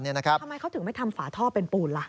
ทำไมเขาถึงไม่ทำฝาท่อเป็นปูนล่ะ